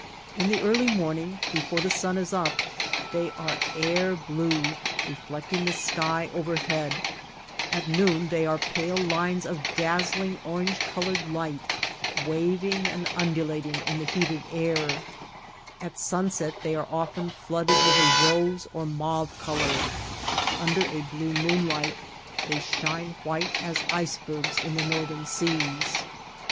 In the early morning, before the sun is up, they are air blue, reflecting the sky overhead ; at noon they are pale lines of daz zling orange colored light, waving and undulat ing in the heated air ; at sunset they are often flooded with a rose or mauve color ; under a blue moonlight they shine white as icebergs in the northern seas.